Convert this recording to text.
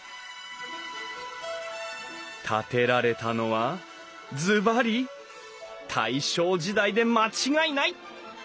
建てられたのはズバリ大正時代で間違いない！